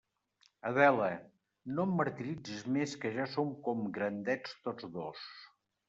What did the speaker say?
Adela, no em martiritzis més que ja com grandets tots dos!